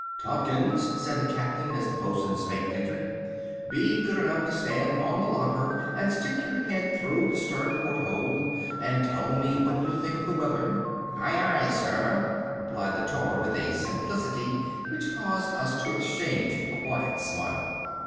"Tompkins," said the Captain as the bosun's mate entered, "be good enough to stand on the locker and stick your head through the stern port hole, and tell me what you think of the weather." "Aye, aye, sir," replied the tar with a simplicity which caused us to exchange a quiet smile.